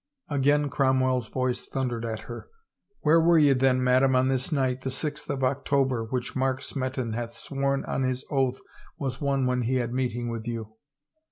Again Cromwell's voice thundered at her. " Where 354 THE TRIAL were ye then, madam, on this night, the sixth of October, which Mark Smeton hath sworn on his oath was one when he had meeting with you